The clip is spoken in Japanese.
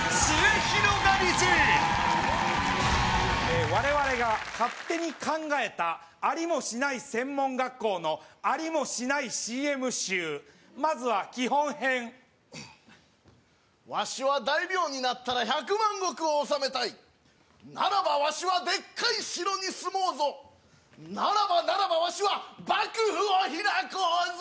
ええ我々が勝手に考えたありもしない専門学校のありもしないＣＭ集まずは基本編わしは大名になったら百万石を治めたいならばわしはでっかい城に住もうぞならばならばわしは幕府を開こうぞ！